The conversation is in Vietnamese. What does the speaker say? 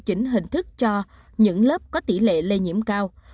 chỉnh hình thức cho những lớp có tỷ lệ lây nhiễm cao